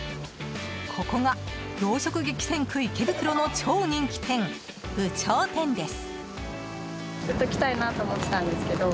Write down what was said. ここが洋食激戦区池袋の超人気店ウチョウテンです。